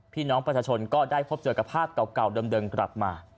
พี่น้องประชาชนก็ได้พบเจอกับภาพเก่าเดิมกลับมา